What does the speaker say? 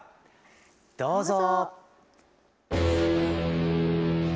どうぞ。